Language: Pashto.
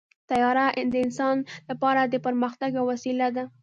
طیاره د انسان لپاره د پرمختګ یوه وسیله ده.